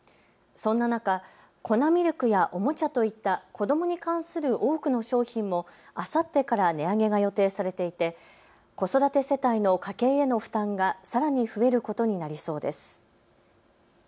そんな中、粉ミルクやおもちゃといった子どもに関する多くの商品もあさってから値上げが予定されていて子育て世帯の家計への負担がさらに増えることになりそうです。